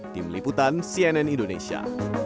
tim liputan cnn indonesia